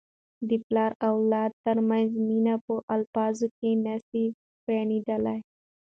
د پلار او اولاد ترمنځ مینه په الفاظو کي نه سي بیانیدلی.